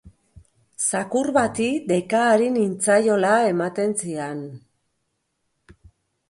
Zakur bati deika ari nintzaiola ematen zian.